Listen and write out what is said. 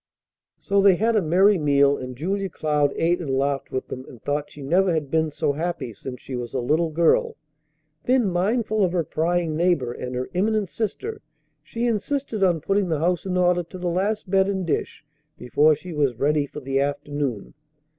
So they had a merry meal, and Julia Cloud ate and laughed with them, and thought she never had been so happy since she was a little girl. Then, mindful of her prying neighbor and her imminent sister, she insisted on putting the house in order to the last bed and dish before she was ready for the afternoon.